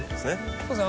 そうですね。